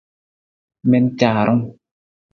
Mi na caarung!